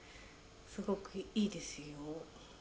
すごくいいですよ。